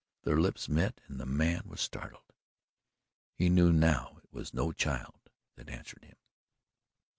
Their lips met and the man was startled. He knew now it was no child that answered him.